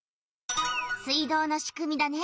水道のしくみだね。